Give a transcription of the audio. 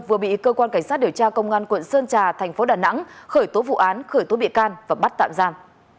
vừa bị cơ quan cảnh sát điều tra công an quận sơn trà thành phố đà nẵng khởi tố vụ án khởi tố bị can và bắt tạm giam